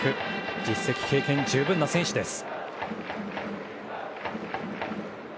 実績、経験十分な選手です。